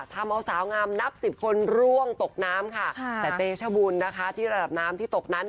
ทำเอาสาวงามนับสิบคนร่วงตกน้ำค่ะแต่เตชบุญนะคะที่ระดับน้ำที่ตกนั้น